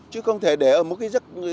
chứ không thể để ở một cái giấc